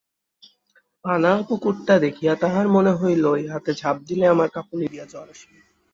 পানাপুকুরটা দেখিয়া তাহার মনে হইল, ইহাতে ঝাঁপ দিলেই আমার কাঁপুনি দিয়া জ্বর আসিবে।